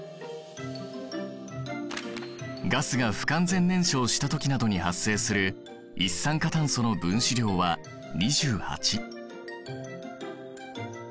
ガスが不完全燃焼したときなどに発生する一酸化炭素の分子量は２８。